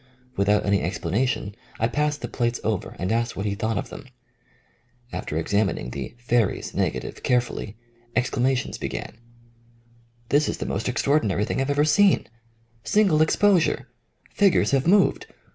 Without any explanation I passed the plates over and asked what he thought of them. After examining the *' fairies" negative carefully, exclamations began: This is the most extraordinary thing I 've ever seen !"'* Single exposure !''Figures have moved!"